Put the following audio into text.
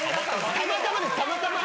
たまたま。